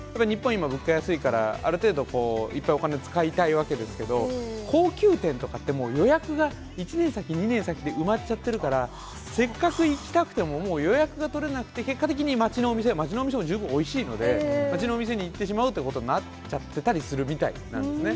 今、物価安いから、ある程度、いっぱいお金使いたいわけですけども、高級店とかって、もう予約が１年先、２年先で埋まっちゃってるから、せっかく行きたくてももう予約が取れなくて、結果的に町のお店、町のお店も十分おいしいので、町のお店に行ってしまうということになっちゃってたりするみたいなんですね。